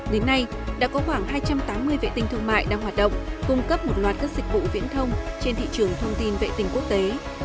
đến nay đã có khoảng hai trăm tám mươi vệ tinh thương mại đang hoạt động cung cấp một loạt các dịch vụ viễn thông trên thị trường thông tin vệ tình quốc tế